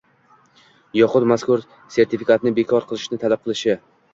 yoxud mazkur sertifikatni bekor qilishni talab qilishi;